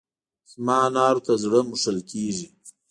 زما انارو ته زړه مښل کېږي.